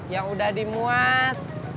yang udah dimuat